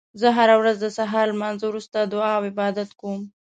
زه هره ورځ د سهار لمانځه وروسته دعا او عبادت کوم